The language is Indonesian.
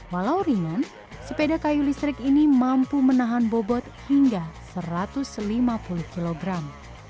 walau ringan sepeda kayu listrik ini mampu menahan bobot hingga satu ratus lima puluh kilogram